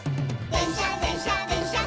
「でんしゃでんしゃでんしゃっ